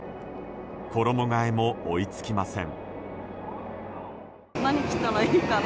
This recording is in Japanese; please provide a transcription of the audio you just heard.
衣替えも追いつきません。